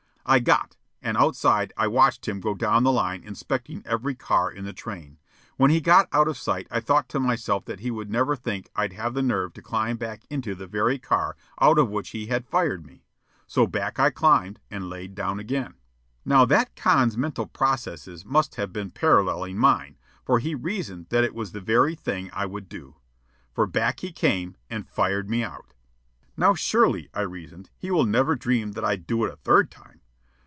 I got, and outside I watched him go down the line inspecting every car in the train. When he got out of sight I thought to myself that he would never think I'd have the nerve to climb back into the very car out of which he had fired me. So back I climbed and lay down again. Now that con's mental processes must have been paralleling mine, for he reasoned that it was the very thing I would do. For back he came and fired me out. Now, surely, I reasoned, he will never dream that I'd do it a third time.